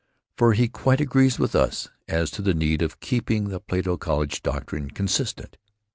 For he quite agrees with us as to the need of keeping the Plato College doctrine consistent.